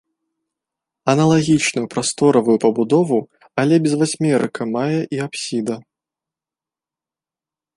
Аналагічную прасторавую пабудову, але без васьмерыка, мае і апсіда.